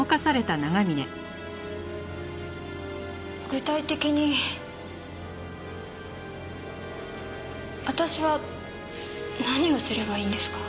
具体的に私は何をすればいいんですか？